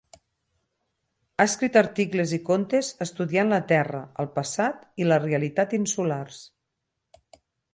Ha escrit articles i contes estudiant la terra, el passat i la realitat insulars.